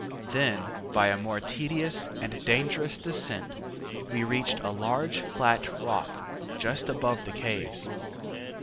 Then by a more tedious and dangerous descent, we reached a large flat rock just above the caves.